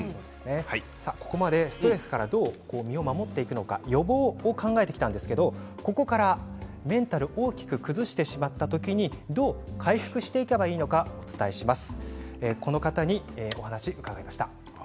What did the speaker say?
ここまでストレスからどう身を守っていくのか予防を考えてきたんですがここからメンタルを大きく崩してしまった時にどう回復していけばいいのかお伝えします。